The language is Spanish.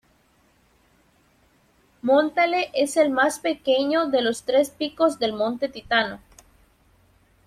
Montale es el más pequeño de los tres picos del Monte Titano.